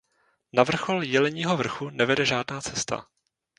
Na vrchol Jeleního vrchu nevede žádná cesta.